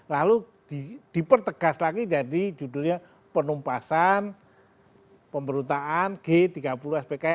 lalu dipertegas lagi jadi judulnya penumpasan pemberhutaan g tiga puluh s pki